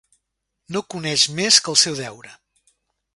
No coneix més que el seu deure.